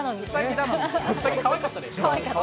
ウサギ、かわいかったでしょ？